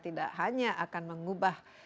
tidak hanya akan mengubah